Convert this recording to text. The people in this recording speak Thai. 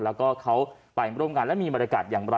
แล้วก็เขาไปร่วมงานแล้วมีบรรยากาศอย่างไร